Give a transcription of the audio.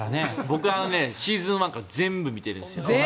僕、シーズン１から全部見てるんです。